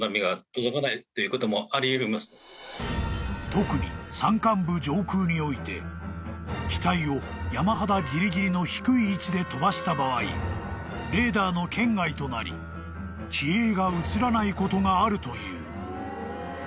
［特に山間部上空において機体を山肌ぎりぎりの低い位置で飛ばした場合レーダーの圏外となり機影が映らないことがあるという］